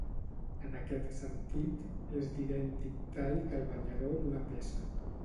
En aquest sentit és d'idèntic tall que el banyador d'una peça.